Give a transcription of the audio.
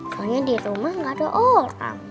soalnya dirumah gak ada orang